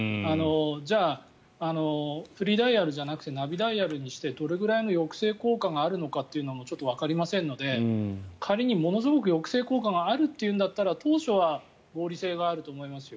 じゃあフリーダイヤルじゃなくてナビダイヤルにしてどれぐらいの抑制効果があるのかもちょっとわかりませんので仮にものすごく抑制効果があるというんだったら当初は合理性があると思いますよ。